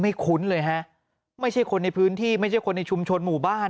คุ้นเลยฮะไม่ใช่คนในพื้นที่ไม่ใช่คนในชุมชนหมู่บ้าน